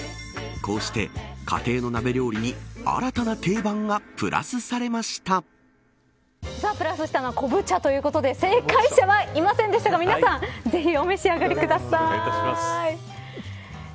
こうして、家庭の鍋料理に新たなテイバンがプラスしたのは昆布茶ということで正解者はいませんでしたが皆さんぜひ、お召し上がりください。